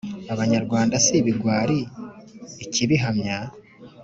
Abanyarwanda si ibigwari Ikibihamya